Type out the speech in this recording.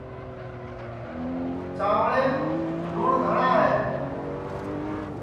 چانٚویم لُن گھٹ ہے